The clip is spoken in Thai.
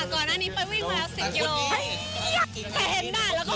ก่อนหน้านี้ไปวิ่งเวลา๑๐กิโลกรัม